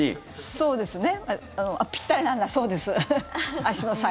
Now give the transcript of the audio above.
そうですね。